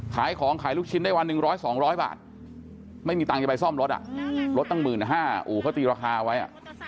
ขายของขายลูกชิ้นได้วัน๑๐๐๒๐๐บาทไม่มีตังค์จะไปซ่อมรถรถตั้ง๑๕๐๐อู่เขาตีราคาไว้